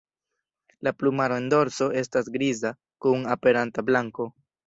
La plumaro en dorso estas griza kun aperanta blanko.